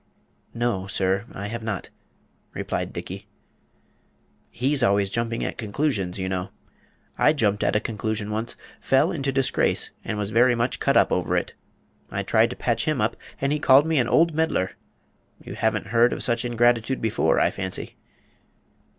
"No, sir; I have not," replied Dickey. "He's always jumping at conclusions, you know. I jumped at a conclusion once, fell into disgrace, and was very much cut up over it. I tried to patch him up and he called me an old meddler! You haven't heard of such ingratitude before, I fancy?"